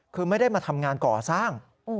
คือไม่ได้มาทำงานก่อสร้าง